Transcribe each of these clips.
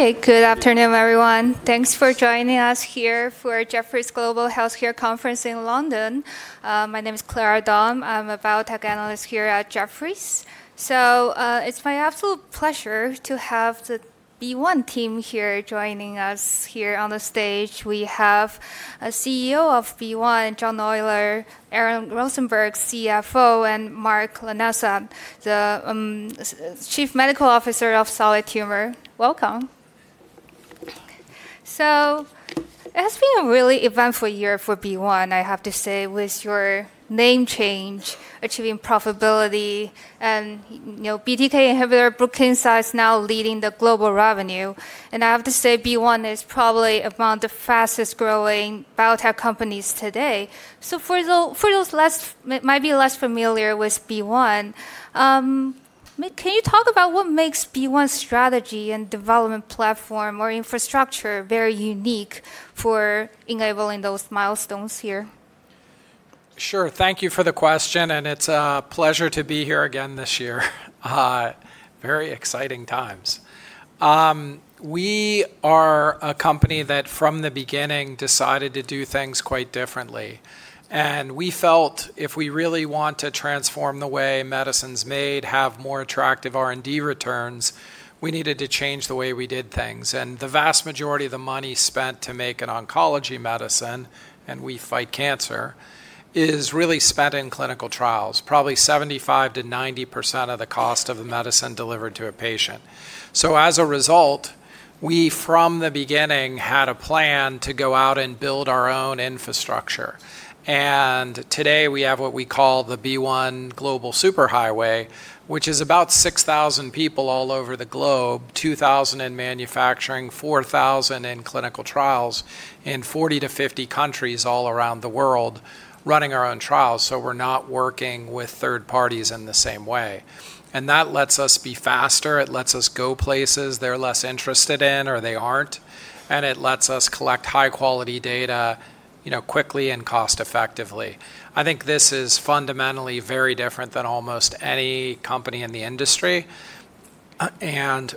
Hey, good afternoon, everyone. Thanks for joining us here for Jefferies Global Healthcare Conference in London. My name is Clara Dong. I'm a Biotech Analyst here at Jefferies. It's my absolute pleasure to have the BeOne team here joining us here on the stage. We have the CEO of BeOne, John Oyler, Aaron Rosenberg, CFO, and Mark Lanasa, the Chief Medical Officer for Solid Tumors. Welcome. It has been a really eventful year for BeOne, I have to say, with your name change, achieving profitability, and BTK inhibitor, BRUKINSA, now leading the global revenue. I have to say, BeOne is probably among the fastest growing biotech companies today. For those who might be less familiar with BeOne, can you talk about what makes BeOne's strategy and development platform or infrastructure very unique for enabling those milestones here? Sure. Thank you for the question, and it's a pleasure to be here again this year. Very exciting times. We are a company that, from the beginning, decided to do things quite differently. We felt if we really want to transform the way medicine's made, have more attractive R&D returns, we needed to change the way we did things. The vast majority of the money spent to make an oncology medicine, and we fight cancer, is really spent in clinical trials, probably 75%-90% of the cost of the medicine delivered to a patient. As a result, we, from the beginning, had a plan to go out and build our own infrastructure. Today we have what we call the BeOne Global Superhighway, which is about 6,000 people all over the globe, 2,000 in manufacturing, 4,000 in clinical trials in 40-50 countries all around the world running our own trials. We are not working with third parties in the same way. That lets us be faster. It lets us go places they are less interested in or they are not. It lets us collect high-quality data quickly and cost-effectively. I think this is fundamentally very different than almost any company in the industry. It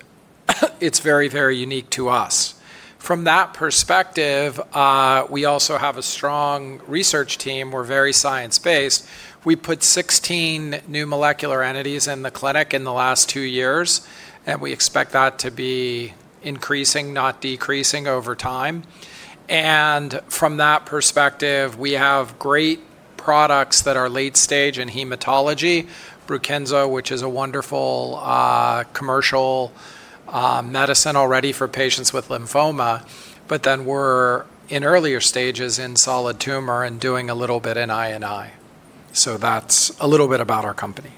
is very, very unique to us. From that perspective, we also have a strong research team. We are very science-based. We put 16 new molecular entities in the clinic in the last two years, and we expect that to be increasing, not decreasing over time. From that perspective, we have great products that are late stage in hematology, BRUKINSA, which is a wonderful commercial medicine already for patients with lymphoma, but then we are in earlier stages in solid tumor and doing a little bit in INI. So that is a little bit about our company.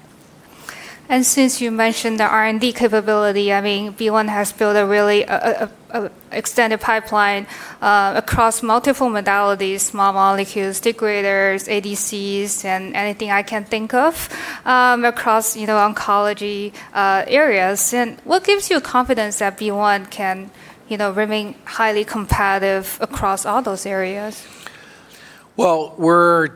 Since you mentioned the R&D capability, I mean, BeOne has built a really extended pipeline across multiple modalities, small molecules, degraders, ADCs, and anything I can think of across oncology areas. What gives you confidence that BeOne can remain highly competitive across all those areas? We are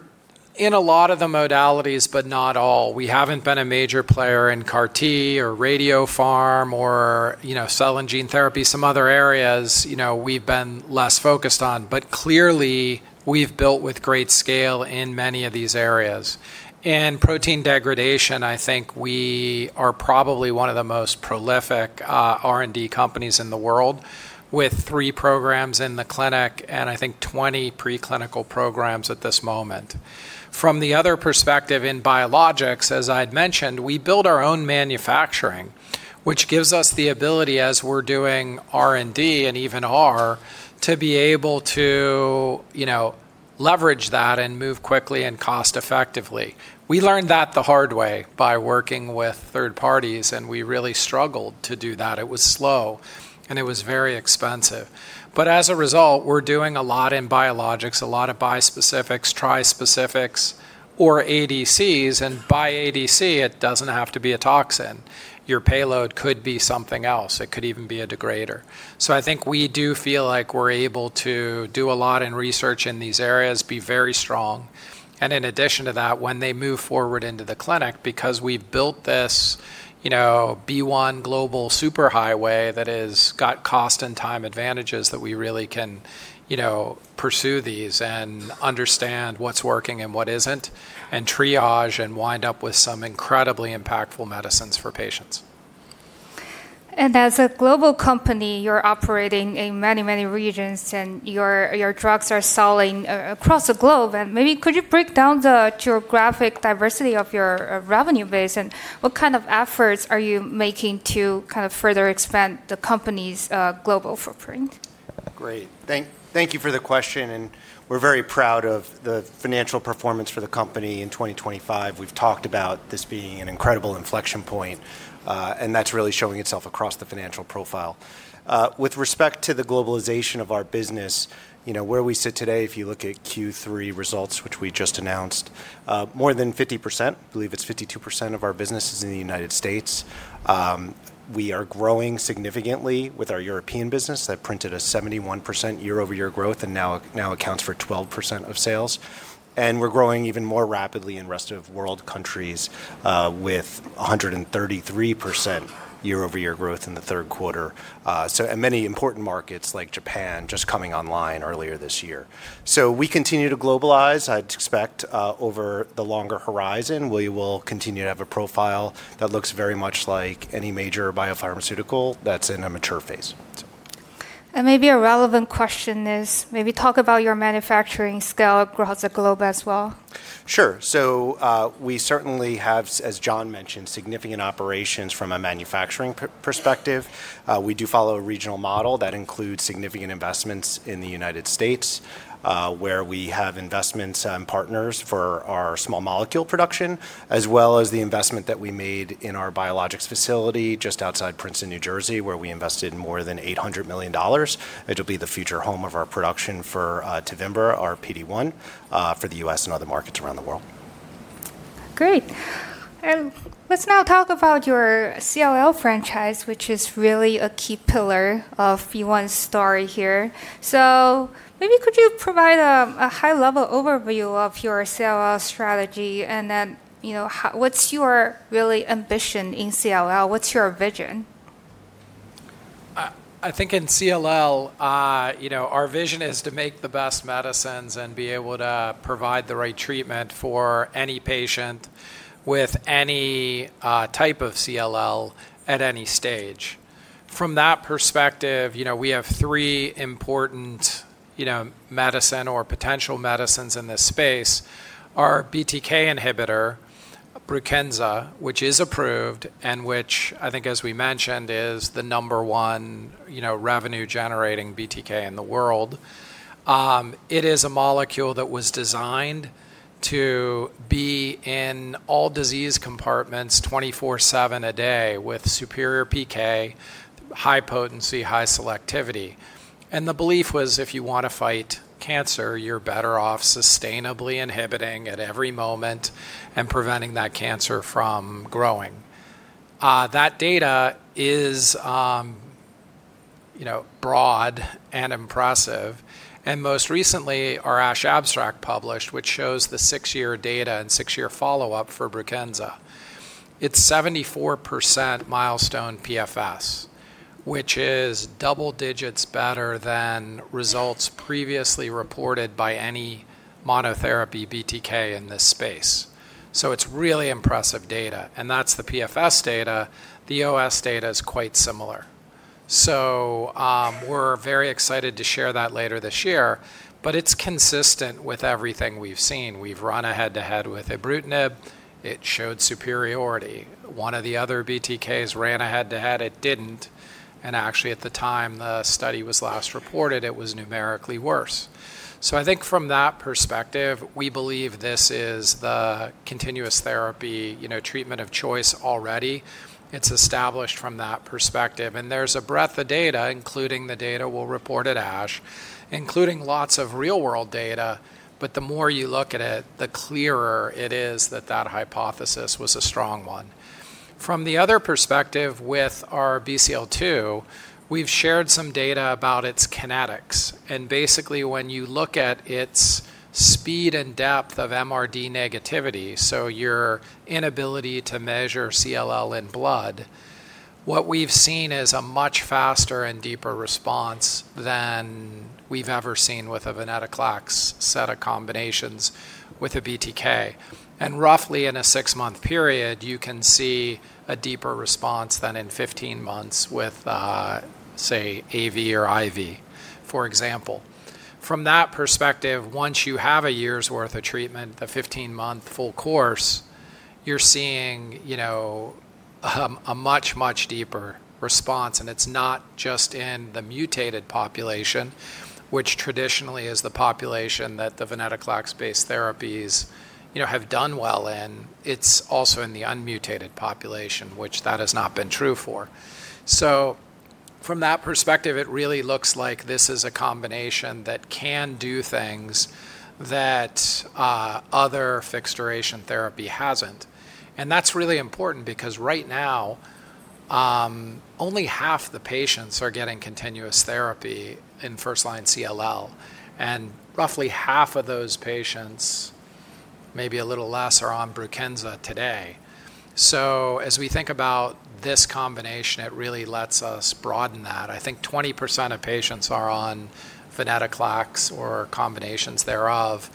in a lot of the modalities, but not all. We have not been a major player in CAR-T or radiopharma or cell and gene therapy. Some other areas we have been less focused on, but clearly we have built with great scale in many of these areas. In protein degradation, I think we are probably one of the most prolific R&D companies in the world with three programs in the clinic and I think 20 pre-clinical programs at this moment. From the other perspective in biologics, as I had mentioned, we build our own manufacturing, which gives us the ability, as we are doing R&D and even R, to be able to leverage that and move quickly and cost-effectively. We learned that the hard way by working with third parties, and we really struggled to do that. It was slow, and it was very expensive. As a result, we're doing a lot in biologics, a lot of bispecifics, trispecifics, or ADCs. By ADC, it doesn't have to be a toxin. Your payload could be something else. It could even be a degrader. I think we do feel like we're able to do a lot in research in these areas, be very strong. In addition to that, when they move forward into the clinic, because we've built this BeOne Global Superhighway that has got cost and time advantages, we really can pursue these and understand what's working and what isn't and triage and wind up with some incredibly impactful medicines for patients. As a global company, you're operating in many, many regions, and your drugs are selling across the globe. Maybe could you break down the geographic diversity of your revenue base? What kind of efforts are you making to kind of further expand the company's global footprint? Great. Thank you for the question. And we're very proud of the financial performance for the company in 2025. We've talked about this being an incredible inflection point, and that's really showing itself across the financial profile. With respect to the globalization of our business, where we sit today, if you look at Q3 results, which we just announced, more than 50%, I believe it's 52% of our business is in the United States. We are growing significantly with our European business. That printed a 71% year-over-year growth and now accounts for 12% of sales. And we're growing even more rapidly in rest of world countries with 133% year-over-year growth in the third quarter. And many important markets like Japan just coming online earlier this year. So we continue to globalize, I'd expect, over the longer horizon. We will continue to have a profile that looks very much like any major biopharmaceutical that is in a mature phase. Maybe a relevant question is, maybe talk about your manufacturing scale across the globe as well. Sure. So we certainly have, as John mentioned, significant operations from a manufacturing perspective. We do follow a regional model that includes significant investments in the United States, where we have investments and partners for our small molecule production, as well as the investment that we made in our biologics facility just outside Princeton, New Jersey, where we invested more than $800 million. It'll be the future home of our production for Tevimbra, our PD-1 for the U.S. and other markets around the world. Great. Let's now talk about your CLL franchise, which is really a key pillar of BeOne's story here. Maybe could you provide a high-level overview of your CLL strategy and then what's your real ambition in CLL? What's your vision? I think in CLL, our vision is to make the best medicines and be able to provide the right treatment for any patient with any type of CLL at any stage. From that perspective, we have three important medicine or potential medicines in this space. Our BTK inhibitor, BRUKINSA, which is approved and which I think, as we mentioned, is the number one revenue-generating BTK in the world. It is a molecule that was designed to be in all disease compartments 24/7 a day with superior PK, high potency, high selectivity. The belief was, if you want to fight cancer, you're better off sustainably inhibiting at every moment and preventing that cancer from growing. That data is broad and impressive. Most recently, our ASH abstract published, which shows the six-year data and six-year follow-up for BRUKINSA. It's 74% milestone PFS, which is double digits better than results previously reported by any monotherapy BTK in this space. It's really impressive data. That's the PFS data. The OS data is quite similar. We're very excited to share that later this year, but it's consistent with everything we've seen. We've run head to head with ibrutinib. It showed superiority. One of the other BTKs ran head to head. It didn't. Actually, at the time the study was last reported, it was numerically worse. I think from that perspective, we believe this is the continuous therapy treatment of choice already. It's established from that perspective. There's a breadth of data, including the data we'll report at ASH, including lots of real-world data. The more you look at it, the clearer it is that that hypothesis was a strong one. From the other perspective with our BCL2, we've shared some data about its kinetics. Basically, when you look at its speed and depth of MRD negativity, so your inability to measure CLL in blood, what we've seen is a much faster and deeper response than we've ever seen with a Venetoclax set of combinations with a BTK. Roughly in a six-month period, you can see a deeper response than in 15 months with, say, AV or IV, for example. From that perspective, once you have a year's worth of treatment, the 15-month full course, you're seeing a much, much deeper response. It's not just in the mutated population, which traditionally is the population that the Venetoclax-based therapies have done well in. It's also in the unmutated population, which that has not been true for. From that perspective, it really looks like this is a combination that can do things that other fixed duration therapy has not. That is really important because right now, only half the patients are getting continuous therapy in first-line CLL, and roughly half of those patients, maybe a little less, are on BRUKINSA today. As we think about this combination, it really lets us broaden that. I think 20% of patients are on Venetoclax or combinations thereof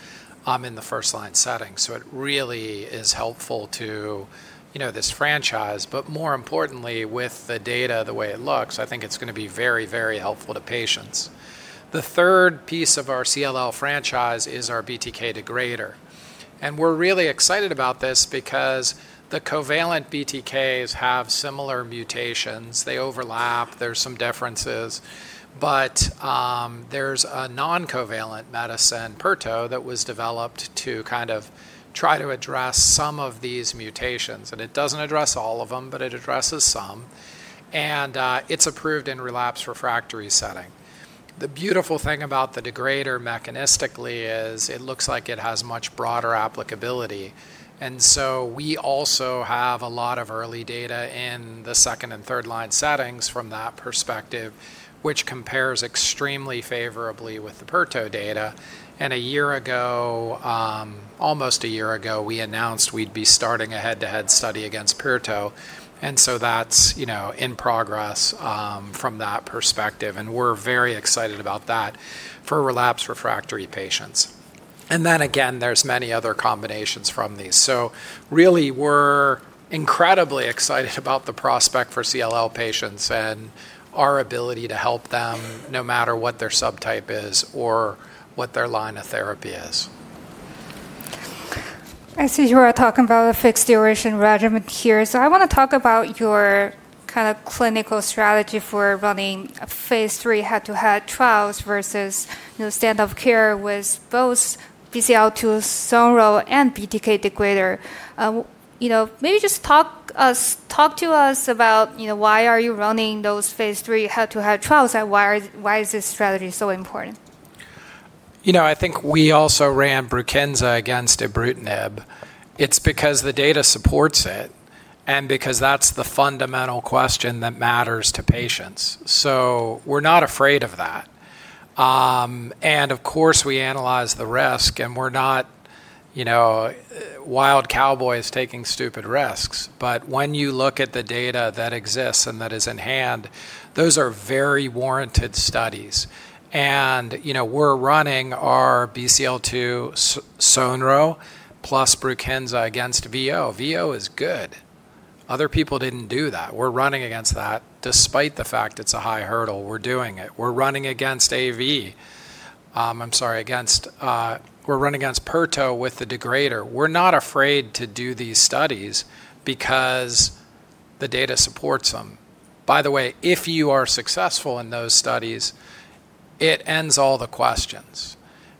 in the first-line setting. It really is helpful to this franchise. More importantly, with the data, the way it looks, I think it is going to be very, very helpful to patients. The third piece of our CLL franchise is our BTK degrader. We are really excited about this because the covalent BTKs have similar mutations. They overlap. There are some differences. There is a non-covalent medicine, pirtobrutinib, that was developed to kind of try to address some of these mutations. It does not address all of them, but it addresses some. It is approved in the relapsed refractory setting. The beautiful thing about the degrader mechanistically is it looks like it has much broader applicability. We also have a lot of early data in the second and third-line settings from that perspective, which compares extremely favorably with the pirtobrutinib data. A year ago, almost a year ago, we announced we would be starting a head-to-head study against pirtobrutinib. That is in progress from that perspective. We are very excited about that for relapsed refractory patients. There are many other combinations from these. We're incredibly excited about the prospect for CLL patients and our ability to help them no matter what their subtype is or what their line of therapy is. I see you are talking about a fixed duration regimen here. I want to talk about your kind of clinical strategy for running phase III head-to-head trials versus standard of care with both BCL2's sole role and BTK degrader. Maybe just talk to us about why are you running those phase III head-to-head trials and why is this strategy so important? You know, I think we also ran BRUKINSA against ibrutinib. It's because the data supports it and because that's the fundamental question that matters to patients. We're not afraid of that. Of course, we analyze the risk, and we're not wild cowboys taking stupid risks. When you look at the data that exists and that is in hand, those are very warranted studies. We're running our BCL2 sonro plus BRUKINSA against BeOne. BeOne is good. Other people did not do that. We're running against that despite the fact it's a high hurdle. We're doing it. We're running against pirtobrutinib. I'm sorry, we're running against pirtobrutinib with the degrader. We're not afraid to do these studies because the data supports them. By the way, if you are successful in those studies, it ends all the questions.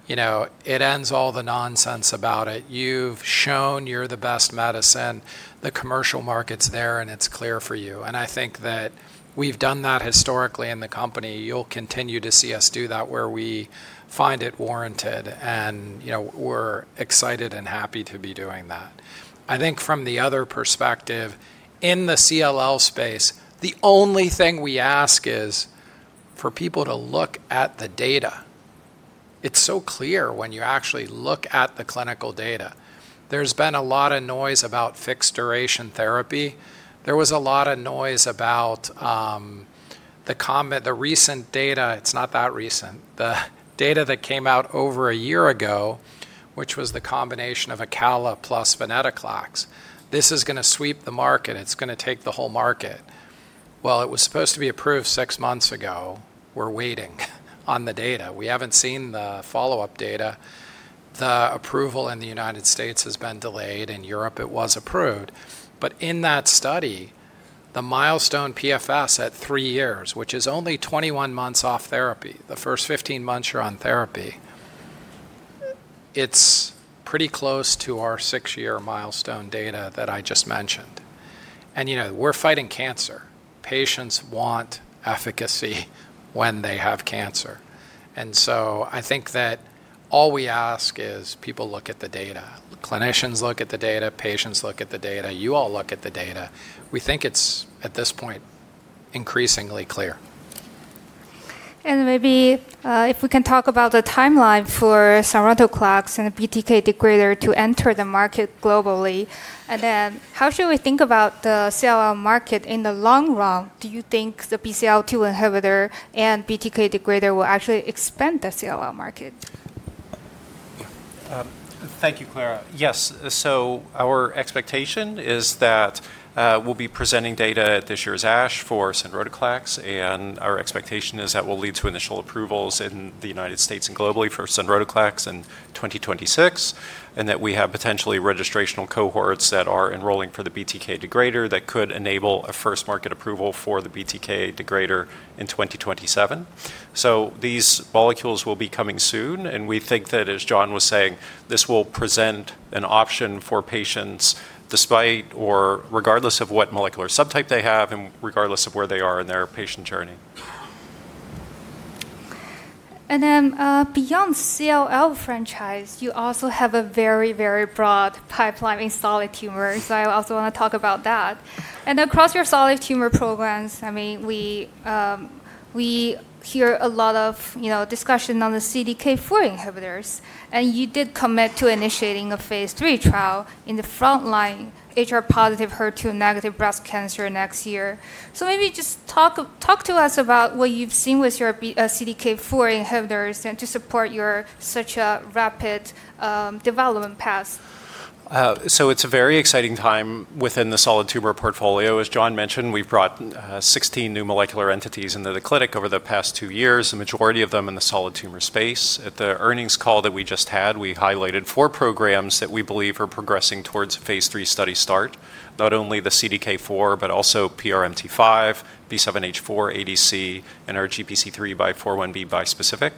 It ends all the nonsense about it. You've shown you're the best medicine. The commercial market's there, and it's clear for you. I think that we've done that historically in the company. You'll continue to see us do that where we find it warranted. We're excited and happy to be doing that. I think from the other perspective, in the CLL space, the only thing we ask is for people to look at the data. It's so clear when you actually look at the clinical data. There's been a lot of noise about fixed duration therapy. There was a lot of noise about the recent data. It's not that recent. The data that came out over a year ago, which was the combination of Acala plus Venetoclax, this is going to sweep the market. It's going to take the whole market. It was supposed to be approved six months ago. We're waiting on the data. We haven't seen the follow-up data. The approval in the U.S. has been delayed. In Europe, it was approved. In that study, the milestone PFS at three years, which is only 21 months off therapy, the first 15 months you're on therapy, it's pretty close to our six-year milestone data that I just mentioned. We're fighting cancer. Patients want efficacy when they have cancer. I think that all we ask is people look at the data. Clinicians look at the data. Patients look at the data. You all look at the data. We think it's, at this point, increasingly clear. Maybe if we can talk about the timeline for Sonrotoclax and BTK degrader to enter the market globally, and then how should we think about the CLL market in the long run? Do you think the BCL2 inhibitor and BTK degrader will actually expand the CLL market? Thank you, Clara. Yes. Our expectation is that we'll be presenting data at this year's ASH for Sonrotoclax. Our expectation is that will lead to initial approvals in the United States and globally for Sonrotoclax in 2026, and that we have potentially registrational cohorts that are enrolling for the BTK degrader that could enable a first market approval for the BTK degrader in 2027. These molecules will be coming soon. We think that, as John was saying, this will present an option for patients despite or regardless of what molecular subtype they have and regardless of where they are in their patient journey. Then beyond CLL franchise, you also have a very, very broad pipeline in solid tumors. I also want to talk about that. Across your solid tumor programs, I mean, we hear a lot of discussion on the CDK4 inhibitors. You did commit to initiating a phase III trial in the front line HR-positive HER2-negative breast cancer next year. Maybe just talk to us about what you've seen with your CDK4 inhibitors to support such a rapid development path. It is a very exciting time within the solid tumor portfolio. As John mentioned, we have brought 16 new molecular entities into the clinic over the past two years, the majority of them in the solid tumor space. At the earnings call that we just had, we highlighted four programs that we believe are progressing towards phase III study start, not only the CDK4, but also PRMT5, B7-H4 ADC, and our GPC3 by 41B bispecific.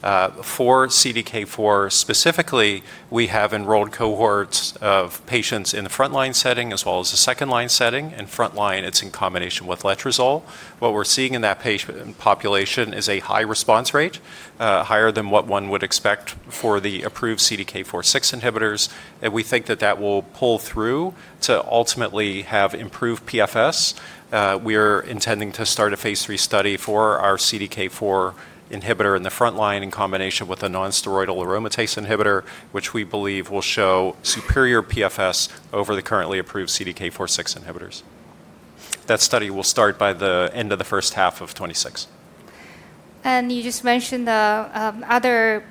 For CDK4 specifically, we have enrolled cohorts of patients in the front line setting as well as the second line setting. In front line, it is in combination with letrozole. What we are seeing in that patient population is a high response rate, higher than what one would expect for the approved CDK4/6 inhibitors. We think that that will pull through to ultimately have improved PFS. We are intending to start a phase III study for our CDK4 inhibitor in the front line in combination with a nonsteroidal aromatase inhibitor, which we believe will show superior PFS over the currently approved CDK4/6 inhibitors. That study will start by the end of the first half of 2026. You just mentioned the other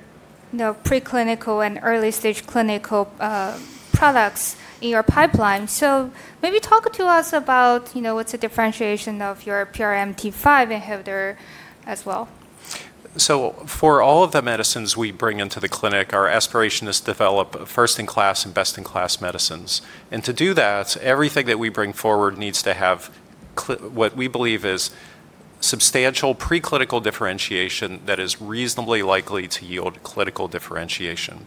preclinical and early-stage clinical products in your pipeline. Maybe talk to us about what's the differentiation of your PRMT5 inhibitor as well. For all of the medicines we bring into the clinic, our aspiration is to develop first-in-class and best-in-class medicines. To do that, everything that we bring forward needs to have what we believe is substantial preclinical differentiation that is reasonably likely to yield clinical differentiation.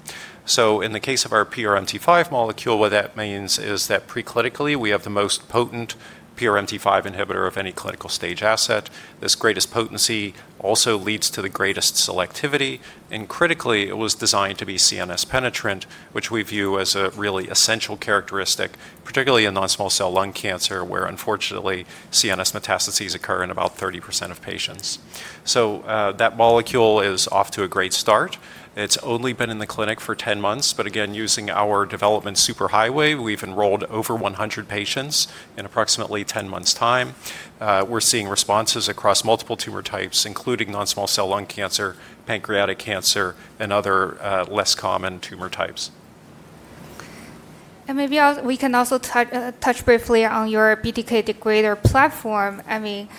In the case of our PRMT5 molecule, what that means is that preclinically, we have the most potent PRMT5 inhibitor of any clinical stage asset. This greatest potency also leads to the greatest selectivity. Critically, it was designed to be CNS penetrant, which we view as a really essential characteristic, particularly in non-small cell lung cancer, where unfortunately, CNS metastases occur in about 30% of patients. That molecule is off to a great start. It's only been in the clinic for 10 months. Again, using our development superhighway, we've enrolled over 100 patients in approximately 10 months' time. We're seeing responses across multiple tumor types, including non-small cell lung cancer, pancreatic cancer, and other less common tumor types. Maybe we can also touch briefly on your BTK degrader platform. I mean,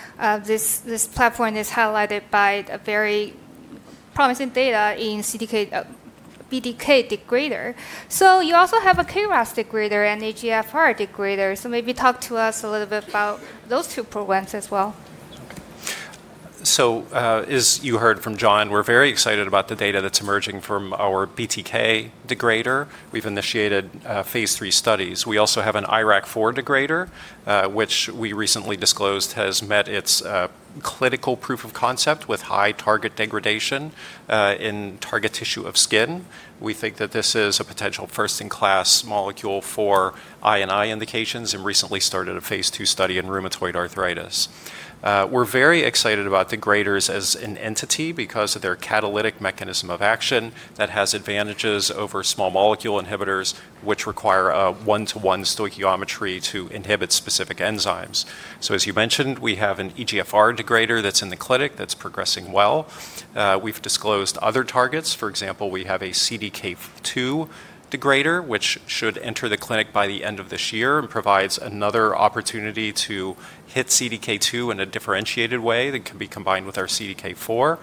this platform is highlighted by the very promising data in BTK degrader. You also have a KRAS degrader and a EGFR degrader. Maybe talk to us a little bit about those two programs as well. As you heard from John, we're very excited about the data that's emerging from our BTK degrader. We've initiated phase III studies. We also have an IRAC4 degrader, which we recently disclosed has met its clinical proof of concept with high target degradation in target tissue of skin. We think that this is a potential first-in-class molecule for INI indications and recently started a phase II study in rheumatoid arthritis. We're very excited about degraders as an entity because of their catalytic mechanism of action that has advantages over small molecule inhibitors, which require a one-to-one stoichiometry to inhibit specific enzymes. As you mentioned, we have an EGFR degrader that's in the clinic that's progressing well. We've disclosed other targets. For example, we have a CDK2 degrader, which should enter the clinic by the end of this year and provides another opportunity to hit CDK2 in a differentiated way that can be combined with our CDK4.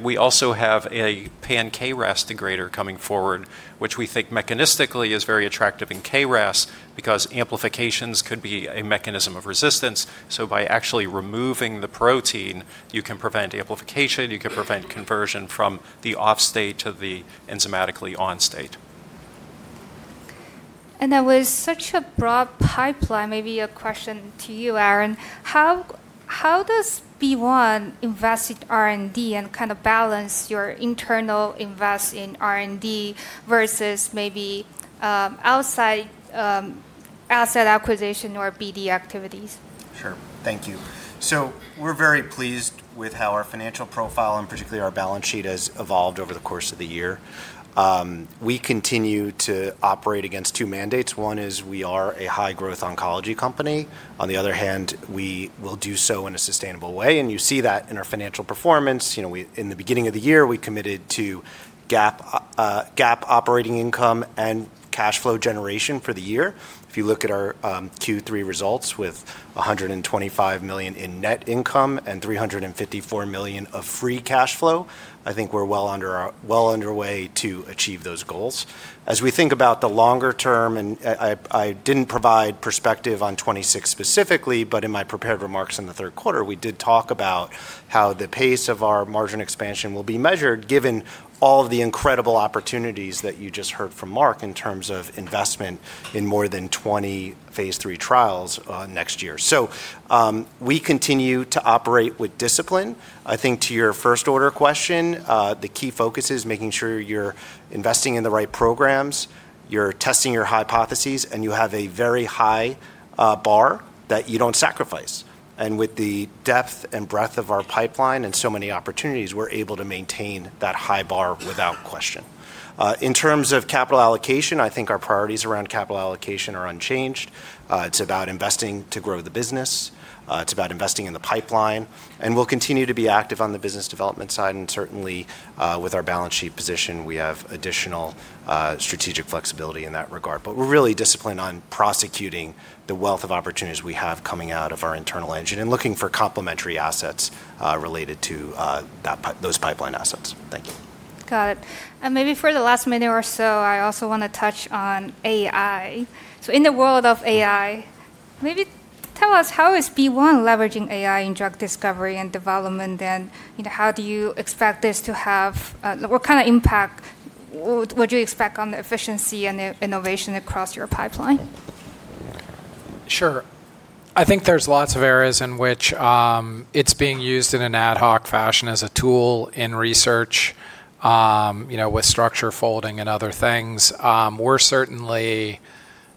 We also have a pan-KRAS degrader coming forward, which we think mechanistically is very attractive in KRAS because amplifications could be a mechanism of resistance. By actually removing the protein, you can prevent amplification. You can prevent conversion from the off-state to the enzymatically on-state. That was such a broad pipeline. Maybe a question to you, Aaron. How does BeOne invest in R&D and kind of balance your internal invest in R&D versus maybe outside asset acquisition or BD activities? Sure. Thank you. We are very pleased with how our financial profile and particularly our balance sheet has evolved over the course of the year. We continue to operate against two mandates. One is we are a high-growth oncology company. On the other hand, we will do so in a sustainable way. You see that in our financial performance. In the beginning of the year, we committed to GAAP operating income and cash flow generation for the year. If you look at our Q3 results with $125 million in net income and $354 million of free cash flow, I think we are well underway to achieve those goals. As we think about the longer-term, and I did not provide perspective on 2026 specifically, but in my prepared remarks in the third quarter, we did talk about how the pace of our margin expansion will be measured given all of the incredible opportunities that you just heard from Mark in terms of investment in more than 20 phase III trials next year. We continue to operate with discipline. I think to your first-order question, the key focus is making sure you are investing in the right programs, you are testing your hypotheses, and you have a very high bar that you do not sacrifice. With the depth and breadth of our pipeline and so many opportunities, we are able to maintain that high bar without question. In terms of capital allocation, I think our priorities around capital allocation are unchanged. It is about investing to grow the business. It's about investing in the pipeline. We will continue to be active on the business development side. Certainly, with our balance sheet position, we have additional strategic flexibility in that regard. We are really disciplined on prosecuting the wealth of opportunities we have coming out of our internal engine and looking for complementary assets related to those pipeline assets. Thank you. Got it. Maybe for the last minute or so, I also want to touch on AI. In the world of AI, maybe tell us how is BeOne leveraging AI in drug discovery and development? How do you expect this to have, what kind of impact would you expect on the efficiency and innovation across your pipeline? Sure. I think there's lots of areas in which it's being used in an Ad hoc fashion as a tool in research with structure folding and other things. We're certainly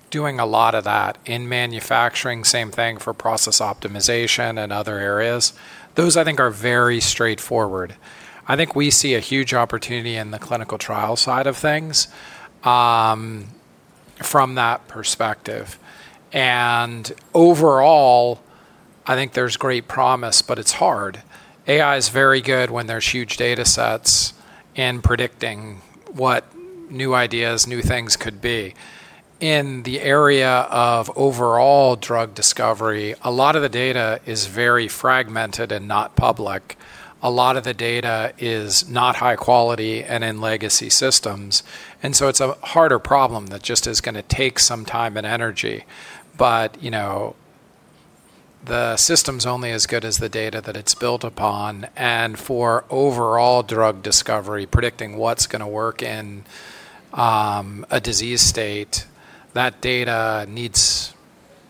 doing a lot of that in manufacturing. Same thing for process optimization and other areas. Those, I think, are very straightforward. I think we see a huge opportunity in the clinical trial side of things from that perspective. Overall, I think there's great promise, but it's hard. AI is very good when there's huge data sets and predicting what new ideas, new things could be. In the area of overall drug discovery, a lot of the data is very fragmented and not public. A lot of the data is not high quality and in legacy systems. It's a harder problem that just is going to take some time and energy. The system's only as good as the data that it's built upon. For overall drug discovery, predicting what's going to work in a disease state, that data needs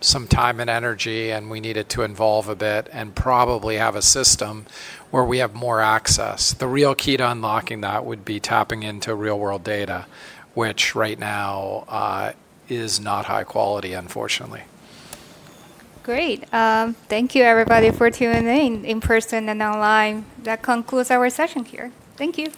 some time and energy, and we need it to evolve a bit and probably have a system where we have more access. The real key to unlocking that would be tapping into real-world data, which right now is not high quality, unfortunately. Great. Thank you, everybody, for tuning in in person and online. That concludes our session here. Thank you.